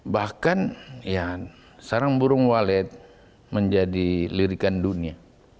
bahkan sarang burung walet menjadi lirikan dunia